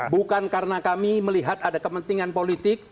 bukan karena kami melihat ada kepentingan politik